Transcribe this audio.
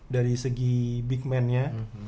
dari segi big man nya